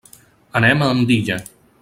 Anem a Andilla.